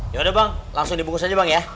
yaudah bang langsung dibungkus aja bang ya